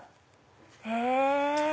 へぇ！